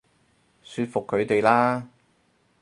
說服佢哋啦